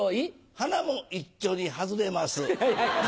鼻も一緒に外れます。